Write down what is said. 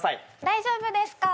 大丈夫ですか？